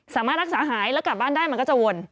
สามารถรักษาหายแล้วกลับบ้านได้มันก็จะวน